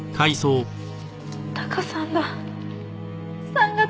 タカさんだ。